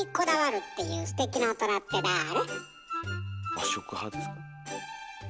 和食派ですか？